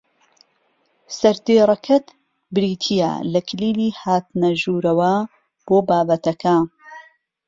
سەردێڕەکەت بریتییە لە کلیلی هاتنە ژوورەوە بۆ بابەتەکە